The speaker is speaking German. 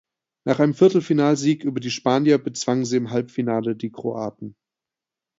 Nach einem Viertelfinalsieg über die Spanier bezwangen sie im Halbfinale die Kroaten.